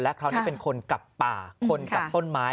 คราวนี้เป็นคนกลับป่าคนกับต้นไม้